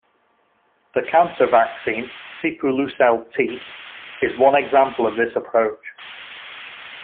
The cancer vaccine Sipuleucel-T is one example of this approach.